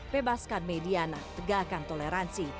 bebaskan may liana tegakkan toleransi